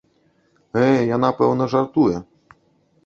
Э, яна, пэўна, жартуе.